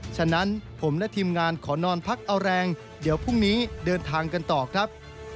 ฉะนั้นผมและทีมงานขอนอนพักเอาแรงเดี๋ยวพรุ่งนี้เดินทางกันต่อครับ